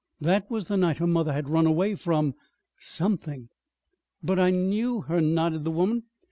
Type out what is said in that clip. That was the night her mother had run away from something. "But I knew her," nodded the woman.